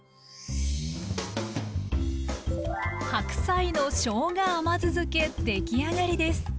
白菜のしょうが甘酢漬けできあがりです。